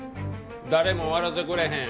誰も笑うてくれへん